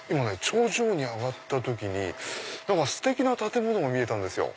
頂上に上がった時にステキな建物が見えたんですよ。